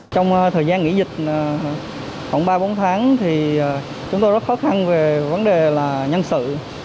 trong thời gian nghỉ dịch khoảng ba bốn tháng chúng tôi rất khó khăn về vấn đề nhân sự